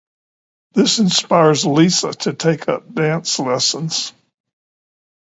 This inspires Lisa to take up dance lessons.